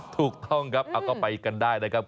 ถูกครับเอาก็ไปกันได้นะครับ